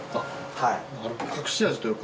はい。